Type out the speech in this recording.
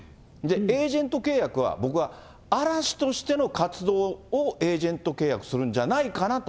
エージェント契約は、僕は、嵐としての活動をエージェント契約するんじゃないかなと。